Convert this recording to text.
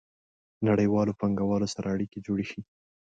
نړیوالو پانګوالو سره اړیکې جوړې شي.